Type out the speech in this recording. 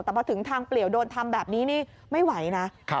แต่พอถึงทางเปลี่ยวโดนทำแบบนี้นี่ไม่ไหวนะ